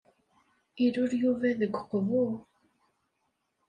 Ilul Yuba deg uqbu.